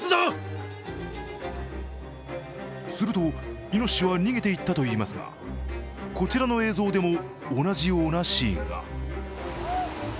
すると、イノシシは逃げていったといいますがこちらの映像でも同じようなシーンが。